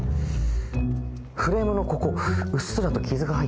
フレームのここうっすらと傷が入ってます。